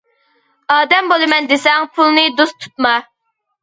ئادەم بولىمەن دېسەڭ، پۇلنى دوست تۇتما.